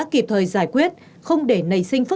kịp thời giải quyết không để nảy sinh